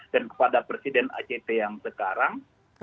dan kepada presiden act yang sekarang